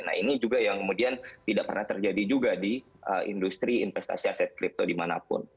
nah ini juga yang kemudian tidak pernah terjadi juga di industri investasi aset kripto dimanapun